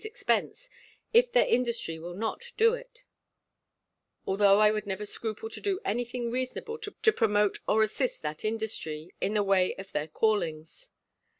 's expense, if their industry will not do it; although I would never scruple to do any thing reasonable to promote or assist that industry, in the way of their callings.